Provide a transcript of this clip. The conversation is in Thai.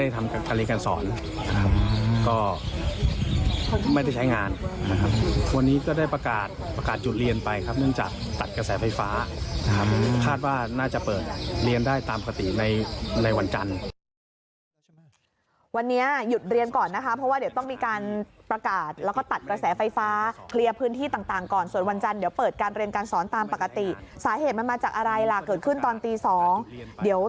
วันนี้ก็ได้ประกาศประกาศจุดเรียนไปครับเนื่องจากตัดกระแสไฟฟ้านะครับคาดว่าน่าจะเปิดเรียนได้ตามปกติในในวันจันทร์วันนี้หยุดเรียนก่อนนะคะเพราะว่าเดี๋ยวต้องมีการประกาศแล้วก็ตัดกระแสไฟฟ้าเคลียร์พื้นที่ต่างก่อนส่วนวันจันทร์เดี๋ยวเปิดการเรียนการสอนตามปกติสาเหตุมันมาจากอะไรล่ะเกิดขึ้นตอนตีสองเดี๋ยว